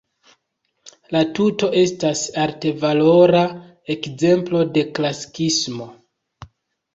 La tuto estas altvalora ekzemplo de klasikismo.